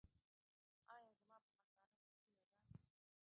ایا زما په مثانه کې تیږه ده؟